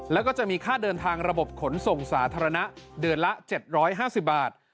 แล้วก็จะมีค่าเดินทางระบบขนส่งสาธารณะเดือนละ๗๕๐บาท